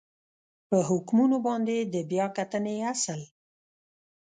په حکمونو باندې د بیا کتنې اصل